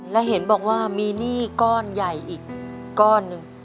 และเห็นบอกว่ามีหนี้ก้อนใหญ่อีกก้อนหนึ่ง